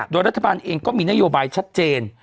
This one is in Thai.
โดยรัฐบาลเองก็มีนโยบายชัดเจน